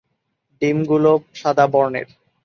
ডিমগুলো সাদা বর্ণের।